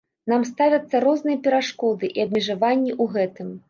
Нам ставяцца розныя перашкоды і абмежаванні ў гэтым.